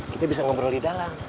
kita bisa ngobrol di dalam